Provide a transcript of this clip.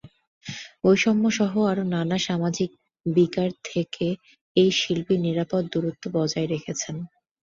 বৈষম্যসহ আরও নানা সামাজিক বিকার থেকে এই শিল্পী নিরাপদ দূরত্ব বজায় রেখেছেন।